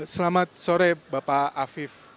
selamat sore bapak afif